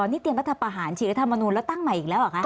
นี่เตรียมรัฐประหารฉีกรัฐมนูลแล้วตั้งใหม่อีกแล้วเหรอคะ